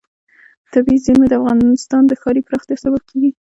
طبیعي زیرمې د افغانستان د ښاري پراختیا سبب کېږي.